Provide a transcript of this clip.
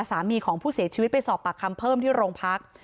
สามีของผู้เสียชีวิตไปสอบปากคำเพิ่มที่โรงพัก